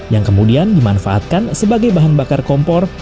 yang kemudian dimanfaatkan sebagai bahan bakar kompor